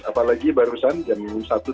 apalagi barusan jam satu